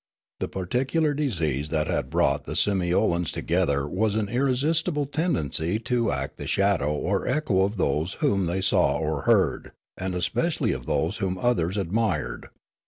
The particular disease that had brought the Simiolans together was an irresistible 17 258 Riallaro tendency to act the shadow or echo of those whom they saw or heard, and epecially of those whom others ad mired.